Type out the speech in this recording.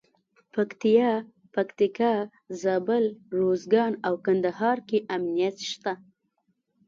پکتیا، پکتیکا، زابل، روزګان او کندهار کې امنیت شته.